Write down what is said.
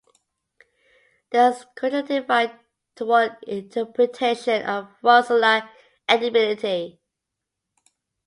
There is a cultural divide toward interpretation of "Russula" edibility.